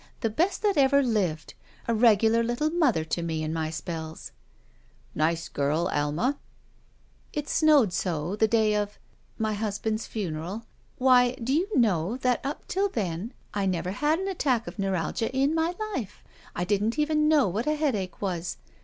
The best that ever lived. A regular little mother to me in my si)ells." "Nice girl, Ahna." It snowed so the day of — ^my husband's funeral. Why, do you know that up to then I never had an attack of neuralgia in my life. Didn't even know what a headache was.